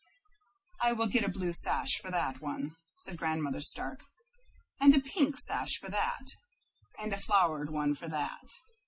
"I will get a blue sash for that one," said Grandmother Stark, "and a pink sash for that, and a flowered one for that."